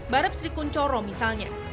barepsri kuncoro misalnya